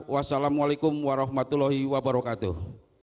wassalamualaikum warahmatullahi wabarakatuh